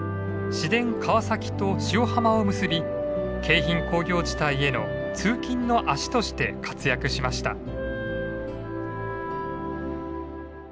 市電川崎と塩浜を結び京浜工業地帯への通勤の足として活躍しました。